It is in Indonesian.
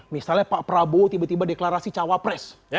misalnya pak prabowo tiba tiba deklarasi cawapres